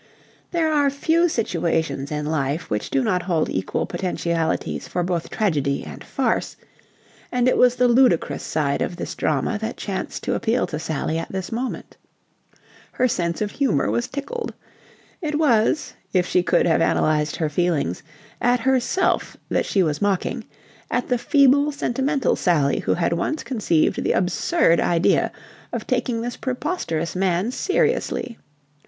There are few situations in life which do not hold equal potentialities for both tragedy and farce, and it was the ludicrous side of this drama that chanced to appeal to Sally at this moment. Her sense of humour was tickled. It was, if she could have analysed her feelings, at herself that she was mocking at the feeble sentimental Sally who had once conceived the absurd idea of taking this preposterous man seriously.